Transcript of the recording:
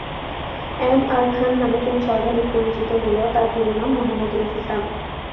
M R Khan নামে তিনি সর্বাধিক পরিচিত হলেও তার পুরো নাম মোহাম্মদ রফি খান।